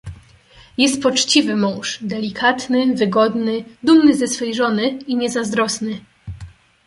"Jest poczciwy mąż, delikatny, wygodny, dumny ze swej żony i niezazdrosny."